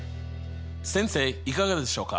先生いかがでしょうか？